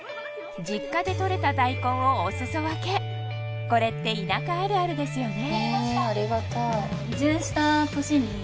実家でとれた大根をおすそ分けこれって田舎あるあるですよね